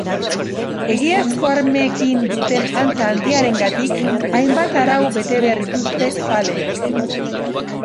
Egiazko armekin duten antza handiarengatik hainbat arau bete behar dituzte zaleek.